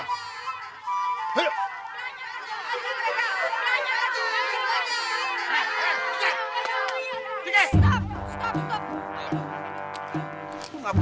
eh eh enggak